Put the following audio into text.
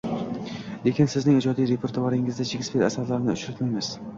lekin sizning ijodiy repertuaringizda Shekspir asarlarini uchratmaymiz.